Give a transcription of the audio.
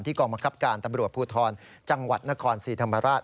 กองบังคับการตำรวจภูทรจังหวัดนครศรีธรรมราช